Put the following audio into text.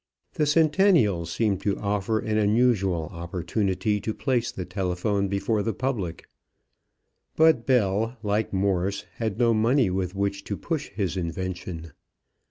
The Centennial seemed to offer an unusual opportunity to place the telephone before the public. But Bell, like Morse, had no money with which to push his invention.